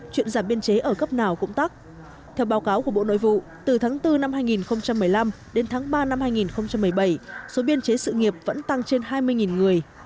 theo báo cáo của bộ nội vụ từ tháng bốn năm hai nghìn một mươi năm đến tháng ba năm hai nghìn một mươi bảy số biên chế sự nghiệp vẫn tăng trên hai mươi người